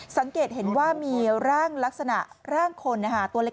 สังเกตเห็นว่ามีร่างลักษณะร่างคนตัวเล็ก